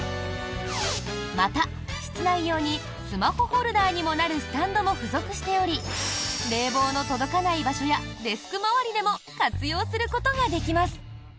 また、室内用にスマホホルダーにもなるスタンドも付属しており冷房の届かない場所やデスク周りでも活用することができます。